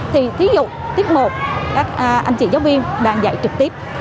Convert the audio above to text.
thì thí dụ tiết mục các anh chị giáo viên đang dạy trực tiếp